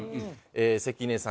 関根さん